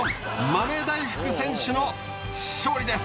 豆大福選手の勝利です。